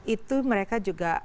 itu mereka juga